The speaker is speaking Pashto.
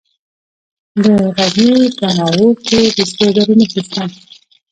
د غزني په ناوور کې د سرو زرو نښې شته.